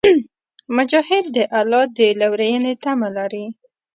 مجاهد د الله د لورینې تمه لري.